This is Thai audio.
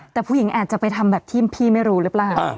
แต่ผู้หญิงอาจจะไปทำแบบที่พี่ไม่รู้หรือเปล่า